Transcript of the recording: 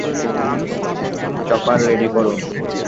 Chopper ready করুন।